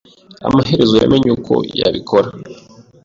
Amaherezo, yamenye uko yabikora.